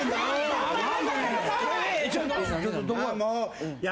ちょっとどこや？